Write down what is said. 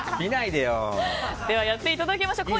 では、やっていただきましょう。